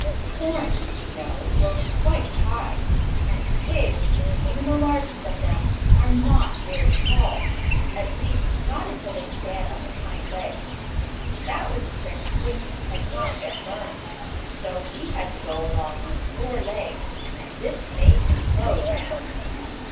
Corn, you know, grows quite high, and pigs, even the largest of them, are not very tall. At least not until they stand on their hind legs. That was a trick Squinty had not yet learned. So he had to go along on four legs, and this made him low down.